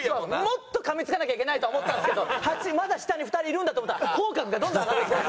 もっと噛みつかなきゃいけないとは思ったんですけど８位まだ下に２人いるんだと思ったら口角がどんどん上がってきた。